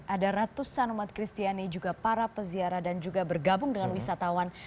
ada ratusan umat kristiani juga para peziarah dan juga bergabung dengan wisatawan